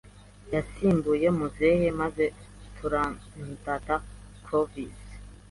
yasimbuye muzehe maze turandata Clovis